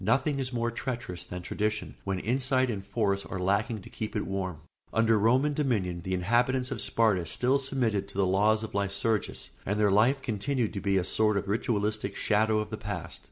Nothing is more treacherous than tradition, when insight and force are lacking to keep it warm. Under Roman dominion, the inhabitants of Sparta still submitted to the laws of Lycurgus and their life continued to be a sort of ritualistic shadow of the past.